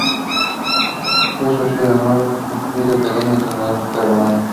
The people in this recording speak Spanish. Fue Socio de Honor de la Pontificia Academia Teológica Romana.